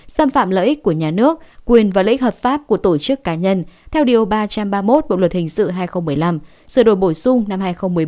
xâm phạm lợi ích của nhà nước quyền và lợi ích hợp pháp của tổ chức cá nhân theo điều ba trăm ba mươi một bộ luật hình sự hai nghìn một mươi năm sửa đổi bổ sung năm hai nghìn một mươi bảy